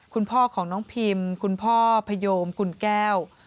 คุณพ่อของน้องพิมคุณพ่อพยมกุลแก้ว